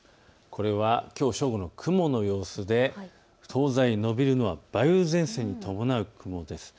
これはきょうの正午の雲の様子で東西に延びるのは梅雨前線を伴う雲です。